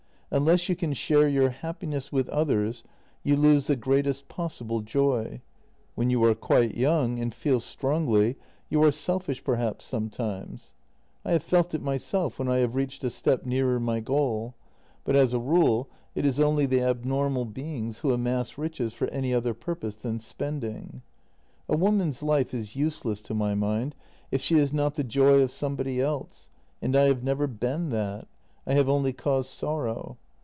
Unless you can share your happiness with others, you lose the greatest possible joy. When you are quite young and feel strongly you are selfish per JENNY 279 haps sometimes — I have felt it myself when I have reached a step nearer my goal, but as a rule it is only the abnormal beings who amass riches for any other purpose than spending. A woman's life is useless to my mind if she is not the joy of somebody else — and I have never been that — I have only caused sorrow.